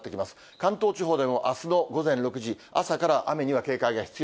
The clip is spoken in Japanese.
関東地方でもあすの午前６時、朝から雨には警戒が必要。